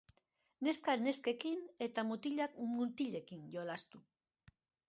Neskak neskekin eta mutilak mutilekin jolastu.